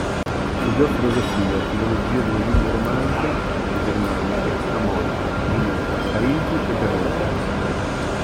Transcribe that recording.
Studiò filosofia, filologia delle lingue romanze e germaniche a Monaco, Ginevra, Parigi e Berlino.